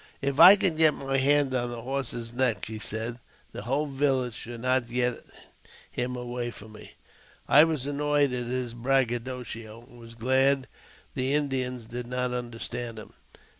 "If I could get my hand on that horse's neck," he said, *' the whole village should not get him away from me." I was annoyed at this braggadocio, and was glad the Indians did not understand him.